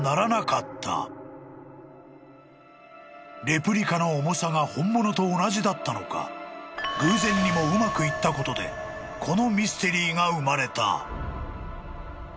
［レプリカの重さが本物と同じだったのか偶然にもうまくいったことでこのミステリーが生まれた］